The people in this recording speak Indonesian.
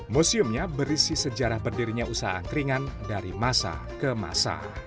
museumnya berisi sejarah berdirinya usaha angkringan dari masa ke masa